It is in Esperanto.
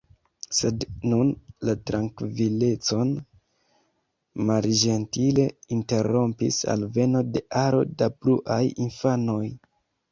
Sed nun la trankvilecon malĝentile interrompis alveno de aro da bruaj infanoj.